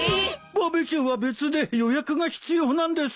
バーベキューは別で予約が必要なんですか？